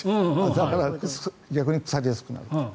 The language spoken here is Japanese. だから逆にいうと腐りやすくなると。